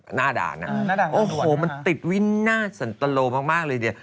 หน้าด่านนะครับโอ้โฮมันติดวิ่นหน้าสันตะโลมากเลย